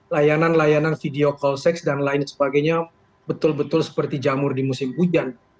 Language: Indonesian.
layanan layanan video call sex dan lain sebagainya betul betul seperti jamur di musim hujan